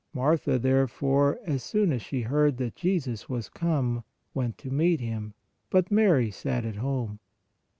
Martha therefore, as soon as she heard that Jesus was come, went to meet Him; but Mary sat at home.